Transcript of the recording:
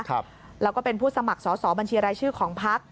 แล้วก็เป็นผู้สมัครสอบบัญชีรายชื่อของพัก